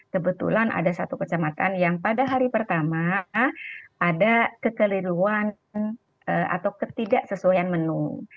kebetulan ada satu kecamatan yang pada hari pertama ada kekeliruan atau ketidaksesuaian menu